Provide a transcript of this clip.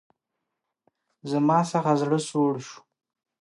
زما څخه زړه سوړ شو.